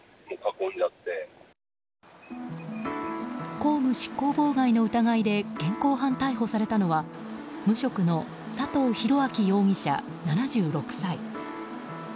公務執行妨害の疑いで現行犯逮捕されたのは無職の佐藤広明容疑者、７６歳。